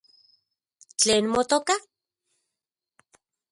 ¿Tlen motoka?